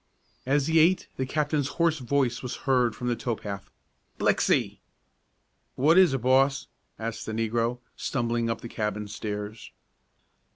As he ate, the captain's hoarse voice was heard from the tow path: "Blixey!" "What is it, boss?" asked the negro, stumbling up the cabin stairs.